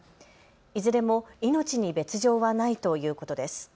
いずれも命に別状はないということです。